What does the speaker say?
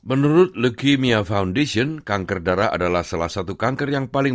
menurut leukemia foundation kanker darah adalah salah satu cleaning ab audio